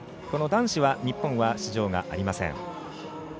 この男子は日本は出場がありません。